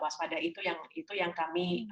waspada itu yang kami